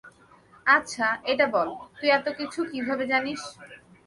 আচ্ছা এটা বল, তুই এতকিছু কীভাবে জানিস?